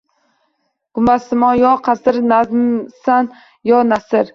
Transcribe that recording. Gumbazmisan yo qasr, nazmmisan yo nasr